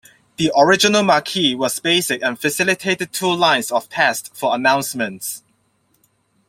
The original marquee was basic and facilitated two lines of text for announcements.